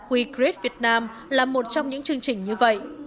we create vietnam là một trong những chương trình như vậy